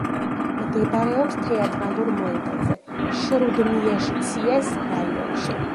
მდებარეობს თეატრალურ მოედანზე, შრუდმიეშციეს რაიონში.